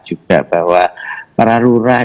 juga bahwa para lurah